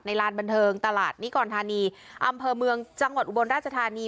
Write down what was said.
ลานบันเทิงตลาดนิกรธานีอำเภอเมืองจังหวัดอุบลราชธานี